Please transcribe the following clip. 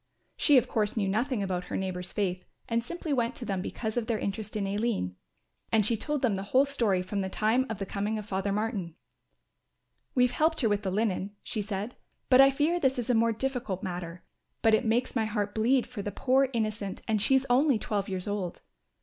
She of course knew nothing about her neighbour's faith and simply went to them because of their interest in Aline; and she told them the whole story from the time of the coming of Father Martin. "We helped her with the linen," she said, "but I fear this is a more difficult matter; but it makes my heart bleed for the poor innocent and she only twelve years old.